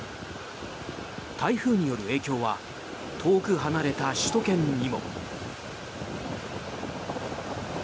台風による影響は遠く離れた首都圏にも。